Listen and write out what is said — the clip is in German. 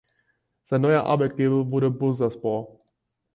Sein neuer Arbeitgeber wurde Bursaspor.